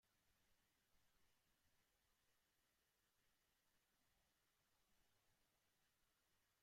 Julio Cortázar cita cuatro fuentes de este trabajo.